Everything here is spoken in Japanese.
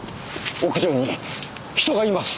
屋上に人がいます。